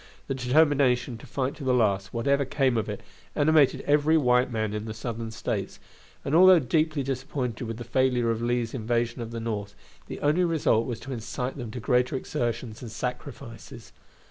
The determination to fight to the last, whatever came of it, animated every white man in the Southern States, and, although deeply disappointed with the failure of Lee's invasion of the North, the only result was to incite them to greater exertions and sacrifices.